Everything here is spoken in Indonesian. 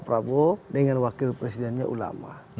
prabowo dengan wakil presidennya ulama